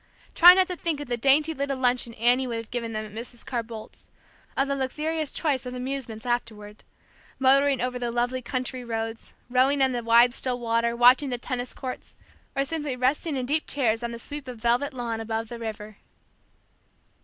Try not to think of the dainty little luncheon Annie would have given them at Mrs. Carr Boldt's, of the luxurious choice of amusements afterward: motoring over the lovely country roads, rowing on the wide still water, watching the tennis courts, or simply resting in deep chairs on the sweep of velvet lawn above the river.